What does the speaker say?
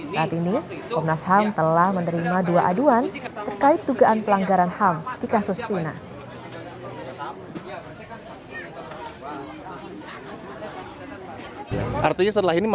saat ini komnas ham telah menerima dua aduan terkait dugaan pelanggaran ham di kasus pinang